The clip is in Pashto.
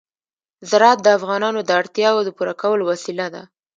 زراعت د افغانانو د اړتیاوو د پوره کولو وسیله ده.